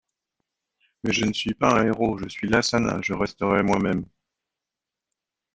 Mais je ne suis pas un héros, je suis Lassana, je resterai moi-même.